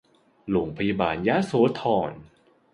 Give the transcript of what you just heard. โรงพยาบาลยโสธร